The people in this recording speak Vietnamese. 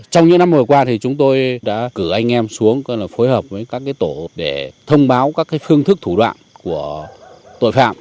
trong những năm vừa qua thì chúng tôi đã cử anh em xuống phối hợp với các tổ để thông báo các phương thức thủ đoạn của tội phạm